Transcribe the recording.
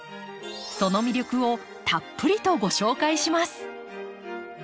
その魅力をたっぷりとご紹介します。